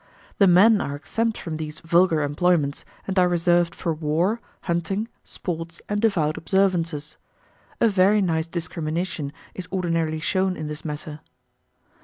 The men are exempt from these vulgar employments and are reserved for war, hunting, sports, and devout observances. A very nice discrimination is ordinarily shown in this matter.